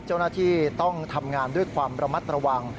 เจ้าหน้าที่ต้องทำงานด้วยความระมัดระวัง